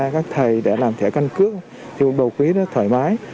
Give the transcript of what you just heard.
các thầy để làm thẻ căn cứ thì bầu quý rất thoải mái